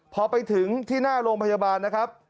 พอไปถึงที่หน้าโรงพยาบาลนะครับ